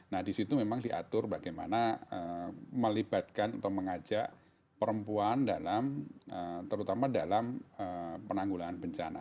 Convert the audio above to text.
nah disitu memang diatur bagaimana melibatkan atau mengajak perempuan dalam terutama dalam penanggulangan bencana